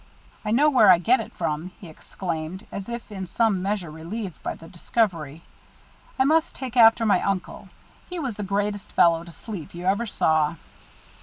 "I know where I get it from," he exclaimed, as if in some measure relieved by the discovery. "I must take after my uncle. He was the greatest fellow to sleep you ever saw."